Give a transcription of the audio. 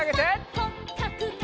「こっかくかくかく」